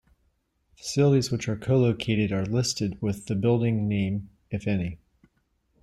Facilities which are co-located are listed with the building name, if any.